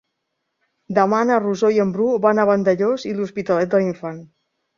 Demà na Rosó i en Bru van a Vandellòs i l'Hospitalet de l'Infant.